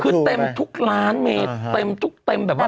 คือเต็มทุกล้านเมเต็มทุกเต็มแบบว่า